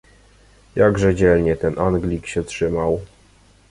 "Jakże dzielnie ten Anglik się trzymał!"